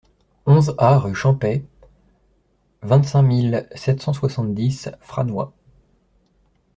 onze A rue Champey, vingt-cinq mille sept cent soixante-dix Franois